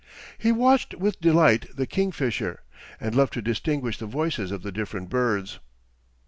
He watched with delight the kingfisher, and loved to distinguish the voices of the different birds.